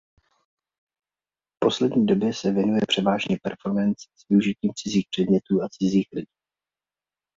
V poslední době se věnuje převážně performance s využitím cizích předmětů a cizích lidí.